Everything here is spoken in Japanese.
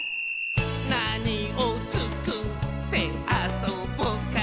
「なにをつくってあそぼかな」